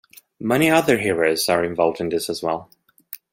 Many other heroes are involved in this as well.